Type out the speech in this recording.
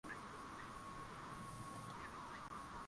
kati ya mwezi wa kumi na mbili